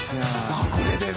これでね。